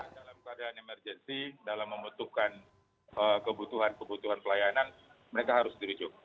dalam keadaan emergensi dalam membutuhkan kebutuhan kebutuhan pelayanan mereka harus dirujuk